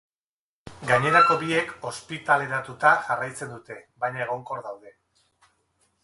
Gainerako biek ospitaleratuta jarraitzen dute, baina egonkor daude.